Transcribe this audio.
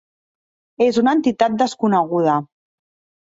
És una entitat desconeguda.